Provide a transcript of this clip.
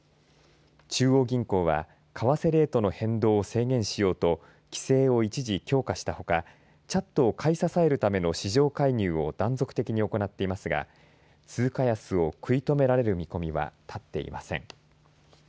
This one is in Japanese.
中央銀行は為替レートの変動を制限しようと規制を一時強化したほかチャットを買い支えるための市場介入を断続的に行っていますが通貨安を食い止められる見込みは立っていません。